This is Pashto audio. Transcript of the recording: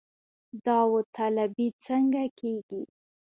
داوطلبي څنګه کیږي؟